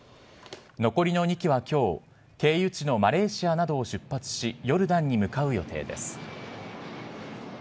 残りの２機はきょう、経由地のマレーシアなどを出発し、ヨルダンに向かう予定です。